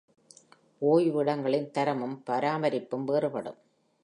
ஓய்வு இடங்களின் தரமும் பராமரிப்பும் வேறுபடும்.